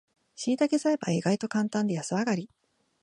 しいたけ栽培は意外とカンタンで安上がり